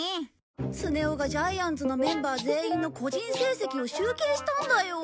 スネ夫がジャイアンズのメンバー全員の個人成績を集計したんだよ。